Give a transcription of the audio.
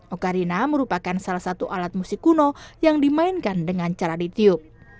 ocarina merupakan salah satu alat musik kuno yang dimainkan dengan cara ditiup